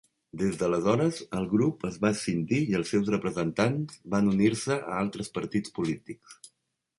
Des d'aleshores, el grup es va escindir i els seus representants van unir-se a altres partits polítics.